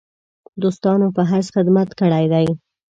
دوستانو په حیث خدمت کړی دی.